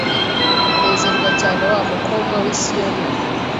Nezerwa cyane wa mukobwa w'i Siyoni we!